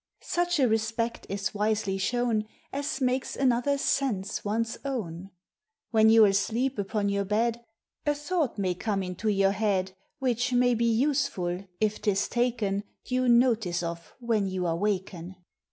Such a respect is wisely shown, As makes another's sense one's own. When you're asleep upon your bed, A thought may come into your head, Which may be useful, if 'tis taken Due notice of when you are waken.